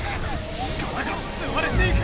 力がすわれていく。